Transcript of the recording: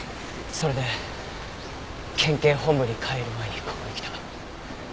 それで県警本部に帰る前にここに来た。